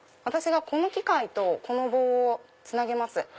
私がこの機械とこの棒をつなげます。